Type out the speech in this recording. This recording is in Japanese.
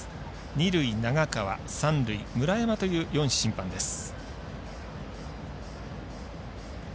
二塁、長川三塁、村山という４審判です。